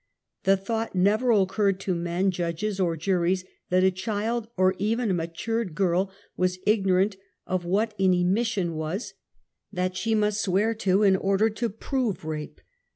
The thought never occured to men judges or juries that a child or even a matured girl was ignorant \ of what an '^emission" was, that she must swear to / in order to prove rape.